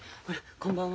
こんばんは。